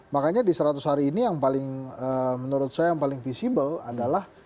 makanya di seratus hari ini yang paling menurut saya yang paling visible adalah